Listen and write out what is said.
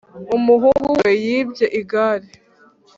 umuhungu we yibye igare